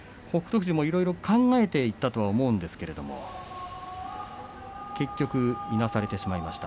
富士もいろいろ考えていったと思いますけれども結局いなされてしまいました。